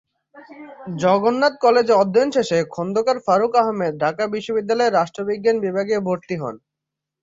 জগন্নাথ কলেজে অধ্যয়ন শেষে খন্দকার ফারুক আহমদ ঢাকা বিশ্ববিদ্যালয়ের রাষ্ট্রবিজ্ঞান বিভাগে ভর্তি হন।